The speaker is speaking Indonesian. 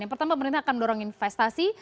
yang pertama pemerintah akan mendorong investasi